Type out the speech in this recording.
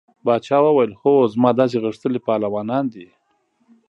باچا وویل هو زما داسې غښتلي پهلوانان دي.